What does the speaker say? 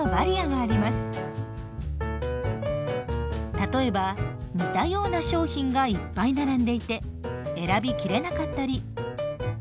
例えば似たような商品がいっぱい並んでいて選びきれなかったり。